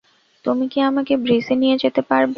তুমি কি আমাকে ব্রিজে নিয়ে যেতে পারবে?